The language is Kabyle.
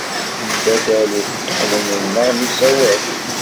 Nembaddal uḍḍunen-nneɣ n usawal.